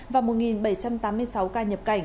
và một bảy trăm tám mươi sáu ca nhập cảnh